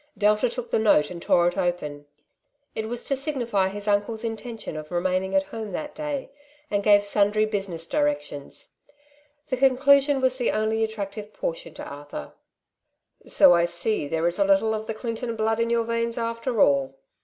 Delta took the note and tore it open. It was to signify his uncle's intention of remaining at home that day, and gave sundry business directions. The conclu sion was the only attractive portion to Arthur :—'' So I see there is a little of the Clinton blood in your veins after all.